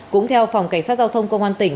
cũng theo phòng cảnh sát giao thông công an tỉnh